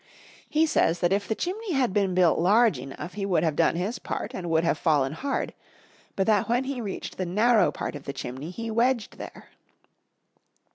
He says that if the chimney had been built large enough he would have done his part and would have fallen hard, but that when he reached the narrow part of the chimney he wedged there.